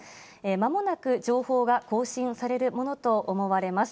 まもなく情報が更新されるものと思われます。